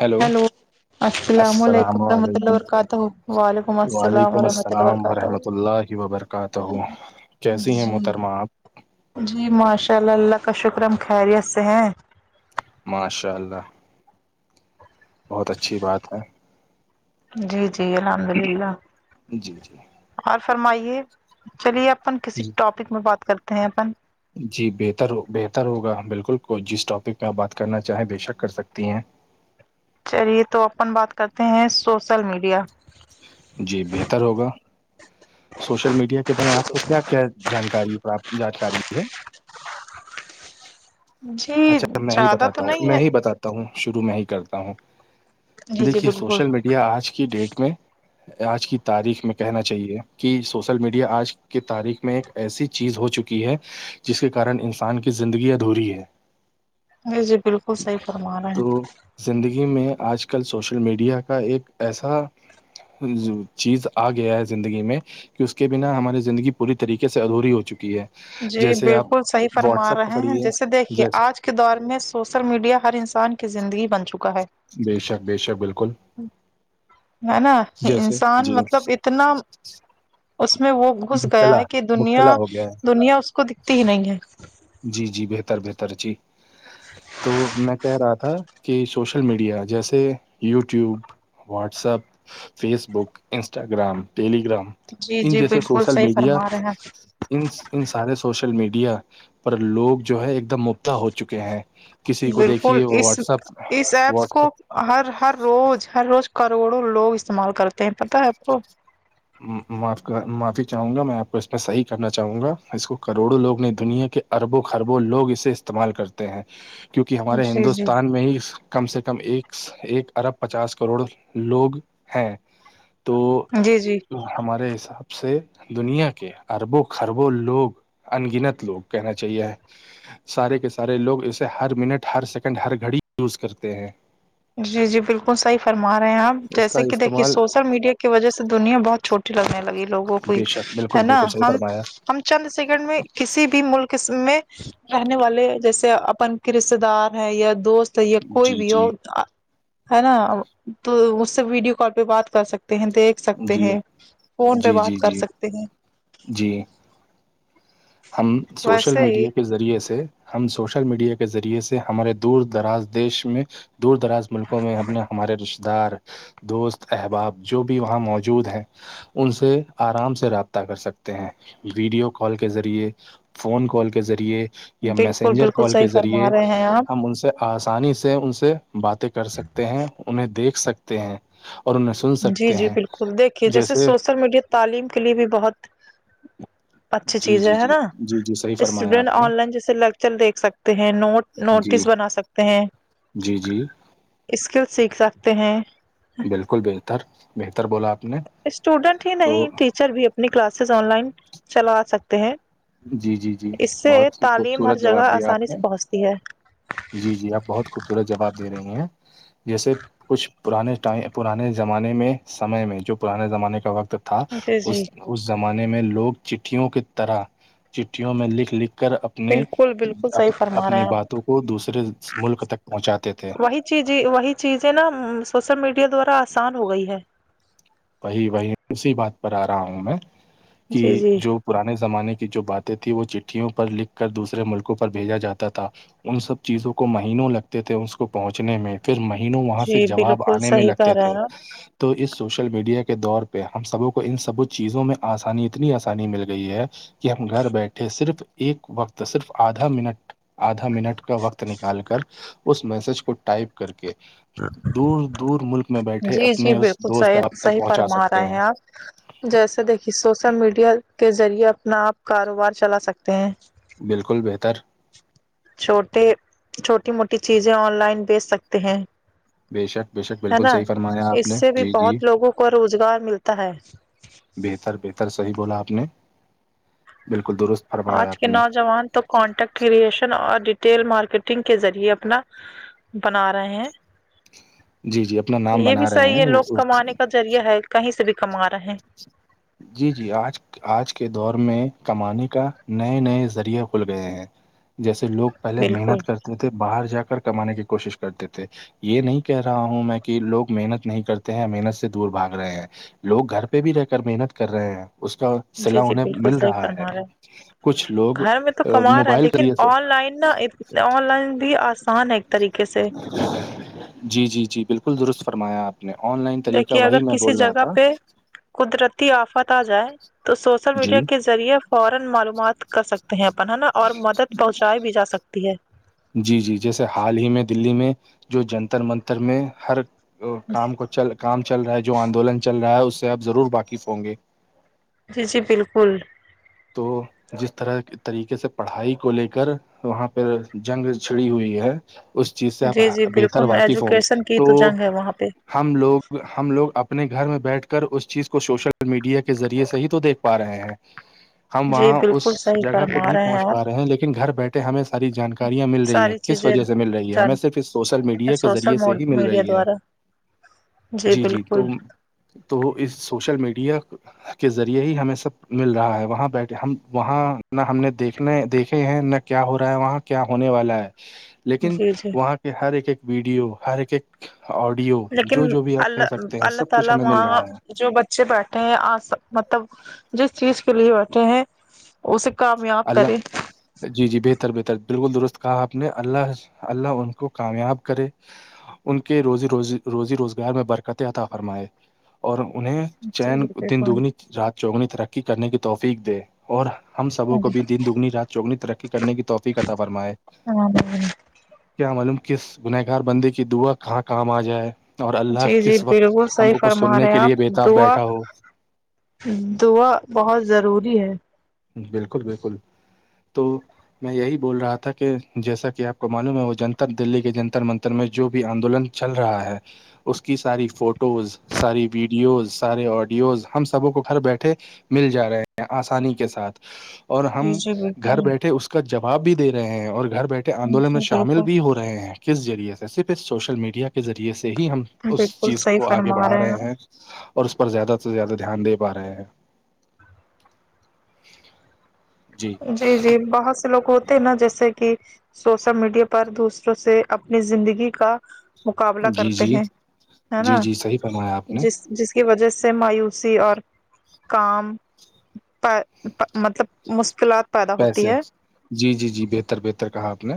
hello السلام علیکم رحمۃ اللہ علیکم وبرکاتہ وعلیکم السلام وعلیکم ورحمۃ اللہ السلام وبرکاتہ ورحمۃ اللہ و برکاتہ کیسی ہیں محترمہ آپ جی ماشاء اللہ اللہ کا شکر ہم خیریت سے ہیں ماشاء اللہ بہت اچھی بات ہے جی جی الحمد للہ جی جی اور فرمائیے چلیے اپن کسی جی ٹاپک میں بات کرتے ہیں اپن جی بہتر بہتر ہوگا بالکل کو جس ٹاپک میں آپ بات کرنا چاہیں بے شک کر سکتی ہیں چلیے تو اپن بات کرتے ہیں سوشل میڈیا جی بہتر ہوگا سوشل میڈیا کے باری میں آپ کو کیا کیا جانکاری جانکاری ہے جی اچھا میں ہی زیادہ تو بتاتا ہوں نہیں میں ہے ہی بتاتا ہوں ہوں شروع میں ہی کرتا ہوں جی جی دیکھیے بالکل سوشل میڈیا آج کی ڈیٹ میں آج کی تاریخ میں کہنا چاہیے کہ سوشل میڈیا آج کے تاریخ میں ایک ایسی چیز ہو چکی ہے جس کے کارن انسان کی زندگی ادھوری ہے جی جی بالکل صحیح فرما رہے ہیں تو زندگی میں آج کل سوشل میڈیا کا ایک ایسا جی چیز آ گیا ہے زندگی میں کہ اس کے بنا ہماری زندگی پوری طریقے سے ادھوری ہو چکی ہے جی جیسے آپ بالکل صحیح واٹس فرما ایپ رہے ہیں پکڑیے جیسے دیکھیے جیسے آج کے دور میں سوسل میڈیا ہر انسان کی زندگی بن چکی بے شک بے شک بالکل ہے نا جیسے انسان جی مطلب اتنا اس میں وہ گھس گیا مبتلا ہے کہ مبتلا دنیا ہو گیا ہے دنیا اس کو دکھتی ہی نہیں ہے جی جی بہتر بہتر جی تو میں کہہ رہا تھا کہ سوشل میڈیا جیسے YouTube WhatsApp Facebook Instagram Telegram جی ان جی جیسے بالکل سوشل صحیح میڈیا فرما رہے ان ان سارے سوشل میڈیا پر لوگ جو ہے ایک دم مبتا ہو چکے ہیں کسی کو بالکل دیکھیے وہ اس واٹسپ اس ایپس کو واٹسپ ہر ہر روز ہر روز کروڑوں لوگ استعمال کرتے ہیں پتہ ہے آپ کو معافی چاہوں گا میں آپ کو اس میں صحیح کرنا چاہوں گا اس کو کروڑوں لوگ نے دنیا کے اربوں خربوں لوگ اسے استعمال کرتے ہیں کیونکہ ہمارے جی جی ہندوستان میں ہی کم سے کم ایک ایک ارب پچاس کروڑ لوگ ہیں جی جی تو ہمارے حساب سے دنیا کے اربوں خربوں لوگ انگنت لوگ کہنا چاہیے سارے کے سارے لوگ اسے ہر منٹ ہر سیکنڈ ہر گھڑی یوز کرتے ہیں جی جی بالکل صحیح فرما رہے ہیں آپ اس کا جیسے کہ دیکھیے استعمال سوشل میڈیا کے کی وجہ سے دنیا بہت چھوٹی لگنے لگی لوگوں کو بے شک ہے بالکل نا بالکل صحیح ہم فرمایا ہم چند سیکنڈ میں کسی بھی ملک میں رہنے والے جیسے اپن کے رشتے دار ہیں یا دوست یہ کوئی جی بھی جی ہو ہے نا تو اس سے ویڈیو کال پہ بات کر سکتے ہیں دیکھ سکتے جی ہیں فون پہ جی جی بات کر جی سکتے ہیں جی ہم سوشل ویسے ہی میڈیا کے ذریعے سے ہم سوشل میڈیا کے ذریعے سے ہمارے دور دراز دیش میں دور دراز ملکوں میں ہم اپنے ہمارے رشتے دار دوست احباب جو بھی وہاں موجود ہیں ان سے آرام سے رابطہ کر سکتے ہیں ویڈیو کال کے ذریعے فون کال کے ذریعے یا بالکل میسنجر بالکل کال صحیح کے فرما ذریعے رہے ہیں آپ ہم ان سے آسانی سے ان سے باتیں کر سکتے ہیں انہیں دیکھ سکتے ہیں اور انہیں سن جی سکتے جی ہیں بالکل دیکھیے جیسے سوشل میڈیا تعلیم کے لیے بھی بہت اچھی جی چیز جی ہے ہے جی نا جی جی صحیح فرمایا اسٹوڈینٹ آپ نے آن لائن جیسے لیکچر دیکھ سکتے ہیں نوٹ جی نوٹس بنا سکتے ہیں جی جی اسکل سیکھ سکتے ہیں بالکل بہتر بہتر بولا آپ نے اسٹوڈنٹ ہی تو نہیں ٹیچر بھی اپنی کلاسز آن لائن چلا سکتے ہیں جی جی جی اس سے بہت ہی تعلیم خوبصورت ہر جگہ جواب دیا آسانی آپ نے سے پہنچتی ہے جی جی آپ بہت خوبصورت جواب دے رہی ہیں جیسے کچھ پرانے ٹ پرانے زمانے میں سمے میں جو پرانے زمانے کا وقت تھا جی جی اس اس زمانے میں لوگ چٹھیوں کی طرح چٹھیوں میں لکھ لکھ کر اپنے اپنے بالکل بالکل صحیح فرما رہے اپنی ہیں باتوں کو دوسرے ملک تک پہنچاتے تھے آپ وہی چیزیں وہی چیزیں ہےنا سوشل میڈیا دوران آسان ہو گئی ہے وہی وہی اسی بات پر آ رہا ہوں میں کہ جی جی جو پرانے زمانے کی جو باتیں تھیں وہ چٹھیوں پر لکھ کر دوسرے ملکوں پر بھیجا جاتا تھا ان سب چیزوں کو مہینوں لگتے تھے اس کو پہنچنے میں پھر مہینوں وہاں سے جی جواب بالکل آنے میں صحیح کہہ لگتے رہے تھے ہیں آپ تو اس سوشنا ل میڈیا کے دور پہ ہم سبوں کو ان سب چیزوں میں آسانی اتنی آسانی مل گئی ہے کہ ہم گھر بیٹھے صرف ایک وقت صرف آدھا منٹ آدھا منٹ کا وقت نکال کر اس میسج کو ٹائپ کر کے دور دور ملک میں بیٹھے جی جی اپنے اس بالکل دوست صحیح اب تک صحیح پہنچا فرما سکتے رہے ہیں آپ جیسے دیکھیے سوشل میڈیا کے ذریعے اپنا آپ کاروبار چلا سکتے ہیں بالکل بہتر چھوٹے چھوٹی موٹی چیزیں آن لائن بیچ سکتے ہیں بےشک بےشک ہے بالکل نا صحیح فرمایا آپ نے اس سے بھی جی جی بہت لوگوں کو روزگار ملتا ہے بہتر بہتر صحیح بولا آپ نے بالکل درست فرمایا آج آپ کے نے نوجوان تو کانٹیکٹ کریشن اور ریٹیل مارکیٹنگ کے ذریعے اپنا بنا رہے ہیں جی جی اپنا اور نام یہ بھی بنا رہے صحیح ہیں ہے وہ لوگ اس- کمانے کا ذریعہ ہے کہیں سے بھی کما رہے ہیں جی جی آج آج کے دور میں کمانے کا نئے نئے ذریعے کھل گئے ہیں جیسے لوگ پہلے بالکل محنت کرتے تھے باہر جا کر کمانے کی کوشش کرتے تھے یہ نہیں کہہ رہا ہوں میں کہ لوگ محنت نہیں کرتے ہیں محنت سے دور بھاگ رہے ہیں لوگ گھر پہ بھی رہ کر محنت کر رہے ہیں اس کا جی صلا جی انہیں بالکل مل صحیح رہا ہے فرمار کچھ لوگ رہا گھر میں تو کما رہا موبائل کے لیکن ذریعے سے آن لائن نہا آن لائن بھی آسان ہے ایک طریقے سے جی جی جی بالکل درست فرمایا آپ نے آن لائن طریقہ دیکھیے وہی اگر میں کسی بول رہا جگہ تھا پہ قدرتی آفات آ جائے تو سوشل جی میڈیا کے ذریعے فورا معلومات کر سکتے ہیں اپن ہے نا اور مدد پہنچائی بھی جا سکتی ہے جی جی جیسے حال ہی میں دللی میں جو جنتر منتر میں ہر کام کو چل کام چل رہا ہے جو آندولن چل رہا ہے اس سے آپ ضرور واقف ہوں گے جی جی بالکل تو جس طرح طریقے سے پڑھائی کو لے کر وہاں پہ جنگ چھڑی ہوئی ہے اس چیز سے جی جی آپ بہتر بالکل واقف ہوں گے ایجوکیشن کی تو جنگ ہے وہاں پہ ہم لوگ ہم لوگ اپنے گھر میں بیٹھ کر اس چیز کو شوشل میڈیا کے ذریعے سے ہی تو دیکھ پا رہے ہیں ہم جی وہاں اس بالکل صحیح جگہ پہ فرما نہیں پہنچ آپ پا رہے ہیں لیکن گھر بیٹھے ہمیں ساری جانکاریاں مل رہی ہے ساری کس چیزیں وجہ سے مل رہی ہے ہمیں جان صرف اس سوشل میڈیا کے ذریعے سوشل سے ہی مل میڈیا رہی ہے دوارا جی جی تو تو اس سوشل میڈیا کے ذریعے ہی ہمیں سب مل رہا ہے وہاں بیٹے ہم وہاں نہ ہم نے دیکھنے دیکھے ہیں نہ کیا ہو رہا ہے وہاں کیا ہونے والا ہے لیکن جی جی وہاں کے ہر ایک ایک ویڈیو ہر ایک ایک آڈیو لیکن جو جو بھی آپ کہہ اللہ سکتے ہیں سب کچھ ہمیں مل رہا ہے اے بیٹھے ہیں آ مطلب جس چیز کے لیے بیٹھے ہیں اسے کامیاب کرے اللہ جی جی بہتر بہتر بالکل درست کہا آپ نے اللہ اللہ ان کو کامیاب کرے ان کے روزی روزی روزی روزگار میں برکت عطا فرمائے اور انہیں جی جی چین دن دگنی بالکل، رات چگنی ترقی کرنے کی توفیق دے اور ہم سبوں کوب بھی دن دگنی رات چوگنی ترقی کرنے کی توفی کتا فرمائے جی کیا معلوم کس گنہگار بندے کی دعا کہاں کام آ جائے اور اللہ جی کس وقت بالکل ہم صحیح ل کو فرما سننے رہے ہیں کے آپ لیے بےتااب دعا بیٹھا ہو [unintelligible] دعا بہت ضروری ہے بالکل بالکل تو [inaudible] میں یہی بول رہا تھا کہ جیسا کہ آپ کو معلوم ہے وہ جنتر دلی کے جنتر من میں جو بھی آندولن چل رہا ہے اس کی ساری فوٹوز ساری ویڈیوز سارے آڈیوز ہم سبوں کو گھر بیٹھے مل جا رہے ہیں آسانی کے ساتھ اور جی ہم جی گھر بالکل بیٹھے اس کا جواب بھی دے رہے ہیں اور گھر بیٹھے آندولن میں جی شامل بالکل بھی ہو رہے ہیں کس ذریعے سے صرف اس سوشل میڈیا کے ذریعے سے ہی ہم اس بالکل چیز صحیح کو آگے فرما بڑھا رہے آپ ہیں اور اس پر زیادہ سے زیادہ دھیان دے پا رہے ہیں جی جی بہت سے لوگوں نا جیسے کہ سوشل میڈیا پر دوسروں سے اپنی زندگی کا مقابلہ جی کرتے جی ہیں ہے نا جی جی صحیح فرمایا آپ نے جس جس کی وجہ سے مایوسی اور کام پ مطلب مشکلات [unintelligible] پیسے ہے جی جی جی بہتر بہتر کہا آپ نے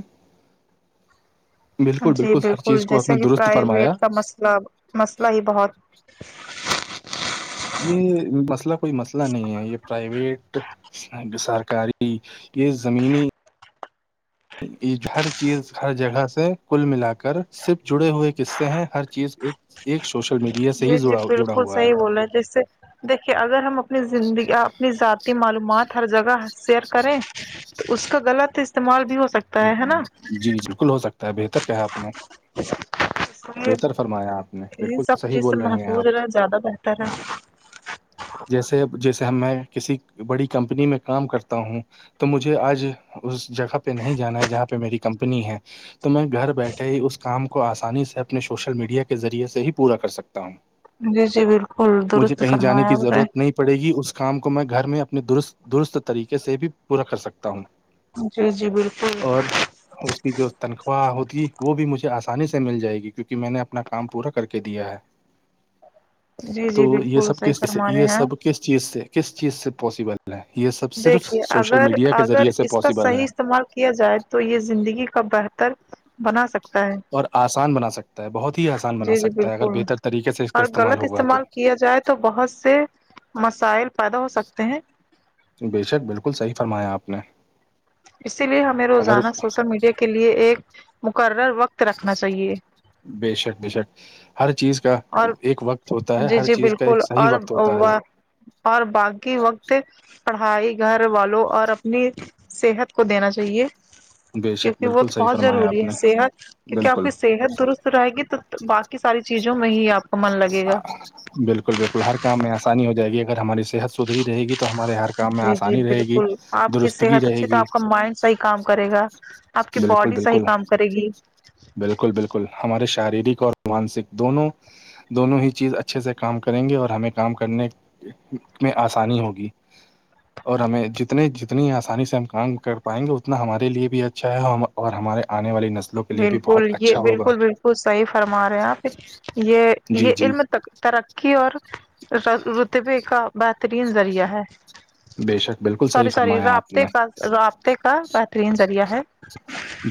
بالکل جی ہر بالکل چیز کو آپ نے جیسا کہ درست فرمایا پرائیویٹ کا مسئلہ مسئلہ ہی بہت یہ مسئلہ کوئی مسئلہ نہیں ہے یہ پرائیویٹ سرکاری یہ زمینی ہر چیز ہر جگہ سے کل ملا کر صرف جڑے ہوئے قصے ہیں ہر چیز ایک ایک سوشل میڈیا سے ہی جی جی جڑا جڑا بالکل ہوا صحیح بولا ہیں جیسے دیکھیے اگر ہم اپنی زندگی اپنی ذاتی معلومات ہر جگہ شیر کریں تو اس کا غلط استعمال بھی ہو سکتا ہے ہے نا جی بالکل ہو سکتا ہے بہتر کہ ہے آپ نے اس لیے بہتر فرمایا آپ نے ان بالکل سب صحیح چیز سے بول رہے ہیں محفوظ آپ رہنا زیادہ تر طرح جیسے جیسے ہم میں کسی بڑی کمپنی میں کام کرتا ہوں تو مجھے آج اس جگہ پہ نہیں جانا ہے جہاں پہ میری کمپنی ہے تو میں گھر بیٹھے ہی اس کام کو آسانی سے اپنے سوشل میڈیا کے ذریعے سے ہی پورا کر سکتا ہوں جی جی بالکل مجھے درست کہیں جانے فرمایا کی آپ نے ضرورت نہیں پڑے گی اس کام کو میں گھر میں اپنے درست درست طریقے سے بھی پورا کر سکتا ہوں جی جی بالکل اور اس کی جو تنخواہ ہوتی ہے وہ بھی مجھے آسانی سے مل جائے گی کیونکہ میں نے اپنا کام پورا کر کے دیا ہے جی تو جی یہ بالکل سب صحیح کس فرما رہے یہ ہیں سب کس چیز سے کس چیز سے پاسبل ہے یہ سب دیکھیے اگر کے اگر ذریعے سے اس کا پاسبل ہے صحیح استعمال کیا جائے تو یہ زندگی کا بہتر بنا سکتا ہے اور آسان بنا سکتا ہے بہت ہی آسان بنا جی جی سکتا ہے اگر بالکل بہتر طریقے سے اس کا اور استعمال غلط ہوگا تو کیا جائے تو بہت سے مسائل پیدا ہو سکتے ہیں بے شک بالکل صحیح فرمایا آپ نے اسی لیے ہمیں اگر روزانہ سوشل میڈیا کے لیے ایک مقرر وقت رکھنا چاہیے بے شک بے شک ہر چیز کا اور ایک وقت ہوتا ہے جی ہر جی چیز کا ایک بالکل صحیح اور وقت ہوتا ہے اور باقی وقت پڑھائی گھر والوں اور اپنی صحت کو دینا چاہیے بے شک کیونکہ وہ بالکل تو صحیح بہت فرمایا ضروری آپ ہے نے صحت کیونکہ آپ بالکل کی صحت درست رہے گی تو باقی ساری چیزوں میں ہی آپ کا من لگے گا بالکل بالکل ہر کام میں آسانی ہو جائے گی اگر ہماری صحت سدھری رہے گی تو تو ہمارے ہر کام میں جی جی آسانی رہے گی بالکل آپ کی درستگی صحت رہے اچھی تو گی آپ کا مائنڈ صحیح کام کرے گا آپ کی بالکل باڈی صحیح بالکل کام کرے گی بالکل بالکل ہمارے شاریڈک اور مانسک دونوں دونوں ہی چیز اچھے سے کام کریں گے اور ہمیں کام کرنے میں آسانی ہوگی اور ہمیں جتنے جتنی آسانی سے ہم کام کر پائیں گے اتنا ہمارے لیے بھیا چاہے ہم اور ہمارے آنے والی نسل بالکل یہ بالکل بالکل صحیح فرما رہے ہیں آپ یہ جی یہ جی علم ترقی کی اور رتبے کا بہترین ذریعہ ہے بے شک بالکل سوری صحیح سوری فرمایا آپ رابطے نے کا رابطے کا بہترین ذریعہ ہے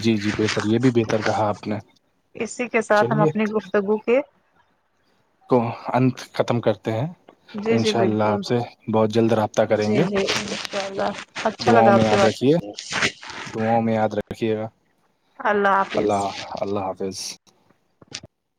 جی جی بہتر یہ بھی بہتر کہا آپ نے چلیے ایک کو اننت ختم کرتے ہیں جی ان جی شاء اللہ آپ بالکل سے بہت جلد رابطہ [unintelligible] جی جی انشاء اللہ اچھا لگا آپ کی بات کر دواںں میں یاد رکھیے گا اللہ اللہ حافظ